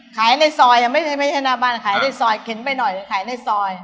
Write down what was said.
ในซอยไม่ใช่หน้าบ้านขายในซอยเข็นไปหน่อยขายในซอย